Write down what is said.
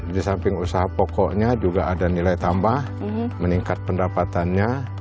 di samping usaha pokoknya juga ada nilai tambah meningkat pendapatannya